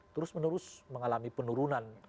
terus menerus mengalami penurunan